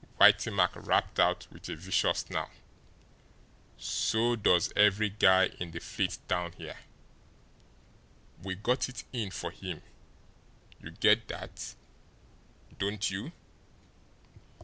Whitey Mack rapped out with a vicious snarl. "So does every guy in the fleet down here. We got it in for him. You get that, don't you?